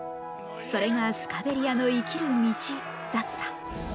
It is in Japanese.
それがスカベリアの生きる道だった。